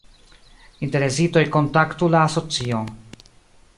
Interesitoj kontaktu la Asocion.